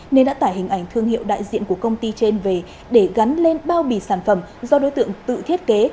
nên đã tải hình ảnh thương hiệu đại diện của công ty trên về để gắn lên bao bì sản phẩm do đối tượng tự thiết kế